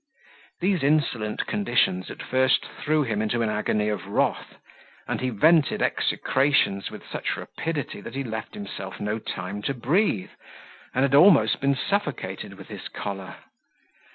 These insolent conditions at first threw him into an agony of wrath; and he vented execrations with such rapidity that he left himself no time to breathe, and had almost been suffocated with his choler.